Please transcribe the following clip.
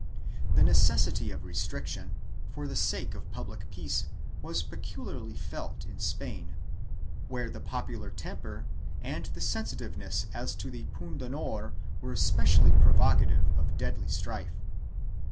4 The necessity of restriction, for the sake of public peace, was peculiarly felt in Spain, where the popular temper and the sen sitiveness as to the pundonor were especially provocative of deadly strife.